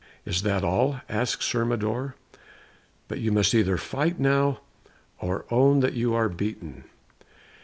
"Is that all?" asked Sir Mador; "but you must either fight now or own that you are beaten."